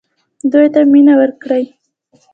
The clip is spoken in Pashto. دوی ته مینه ورکړئ